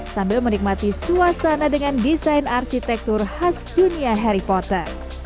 sambil menikmati suasana dengan desain arsitektur khas dunia harry potter